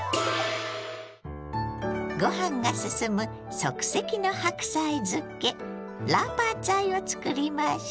ご飯が進む即席の白菜漬けラーパーツァイを作りましょ。